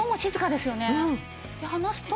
で離すと。